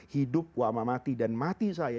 hidup wa mamati dan mati saya